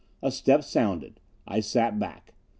A step sounded. I sat back.